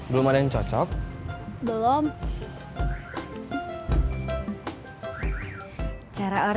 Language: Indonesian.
belum ada yang cocok